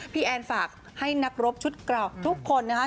แอนฝากให้นักรบชุดเก่าทุกคนนะคะ